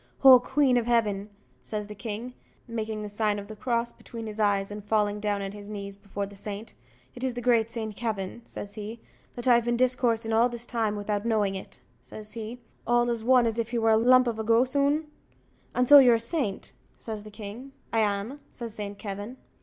"Oh, queen of heaven!" says the king, making the sign of the cross between his eyes, and falling down on his knees before the saint; "is it the great Saint Kavin," says he, "that I've been discoursing all this time without knowing it," says he, "all as one as if he was a lump of a gossoon? and so you're a saint?" says the king. "I am," says Saint Kavin.